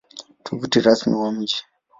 Tovuti Rasmi ya Mji